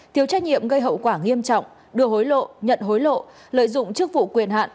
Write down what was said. thiếu trách nhiệm gây hậu quả nghiêm trọng đưa hối lộ nhận hối lộ lợi dụng chức vụ quyền hạn